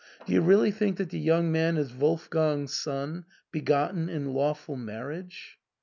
Do you really think that the young man is Wolfgang's son, begotten in lawful marriage